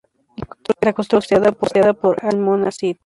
La construcción fue costeada por Almonacid.